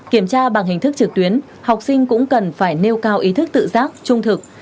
kiểm tra bằng hình thức trực tuyến học sinh cũng cần phải nêu cao ý thức tự giác trung thực